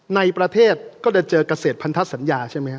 ในประเทศก็จะเจอกเกษตรพันธสัญญา